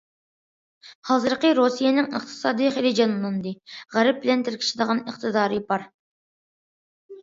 ھازىرقى رۇسىيەنىڭ ئىقتىسادى خېلى جانلاندى، غەرب بىلەن تىركىشىدىغان ئىقتىدارى بار.